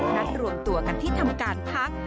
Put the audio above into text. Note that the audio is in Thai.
นัดรวมตัวกันที่ทำการพัก